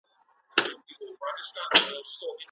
په لاس لیکل د خټو د پخولو په څیر دي.